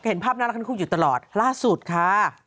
เห็นภาพน่ารักทั้งคู่อยู่ตลอดล่าสุดค่ะ